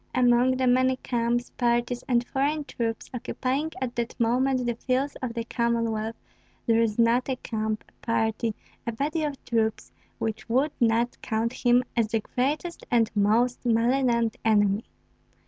Among the many camps, parties, and foreign troops occupying at that moment the fields of the Commonwealth, there is not a camp, a party, a body of troops which would not count him as the greatest and most malignant enemy.